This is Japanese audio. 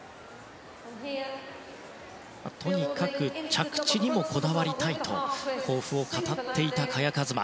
とにかく着地にもこだわりたいと抱負を語っていた萱和磨。